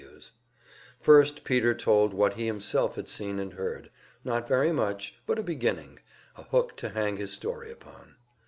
Ws. First, Peter told what he himself had seen and heard not very much, but a beginning, a hook to hang his story upon.